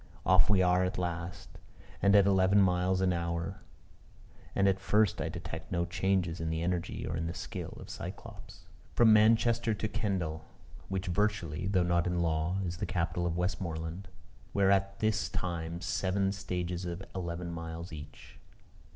Off we are at last, and at eleven miles an hour; and at first I detect no changes in the energy or in the skill of Cyclops. From Manchester to Kendal, which virtually (though not in law) is the capital of Westmoreland, were at this time seven stages of eleven miles each.